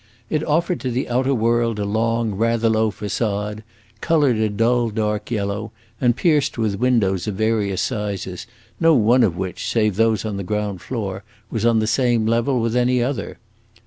It offered to the outer world a long, rather low facade, colored a dull, dark yellow, and pierced with windows of various sizes, no one of which, save those on the ground floor, was on the same level with any other.